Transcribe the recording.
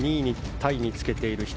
タイにつけている１人